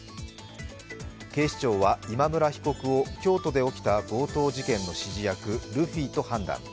警視庁は、今村被告を京都で起きた強盗事件の指示役、ルフィと判断。